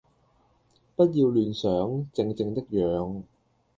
不要亂想，靜靜的養！